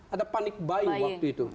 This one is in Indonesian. ada panik bayi waktu itu